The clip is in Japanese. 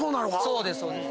そうですそうです。